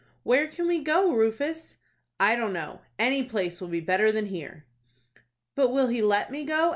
"Where can we go, Rufus?" "I don't know. Any place will be better than here." "But will he let me go?"